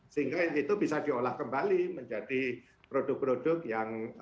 sehingga itu bisa diolah kembali menjadi produk produk yang